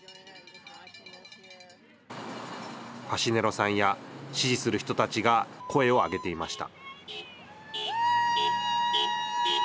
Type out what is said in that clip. ファシネロさんや支持する人たちが声をあげていました。